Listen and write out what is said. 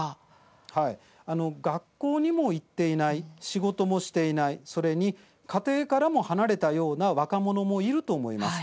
学校にも行っていない仕事もしていないそれに家庭からも離れたような若者もいると思います。